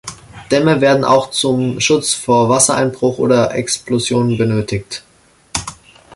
Dämme werden auch zum Schutz vor Wassereinbruch oder Explosionen benötigt.